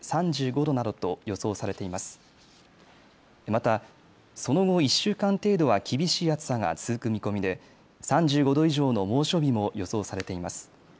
またその後１週間程度は厳しい暑さが続く見込みで３５度以上の猛暑日も予想されています。